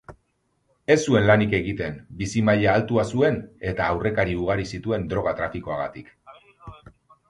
Ez zuen lanik egiten, bizi-maila altua zuen eta aurrekari ugari zituen droga-trafikoagatik.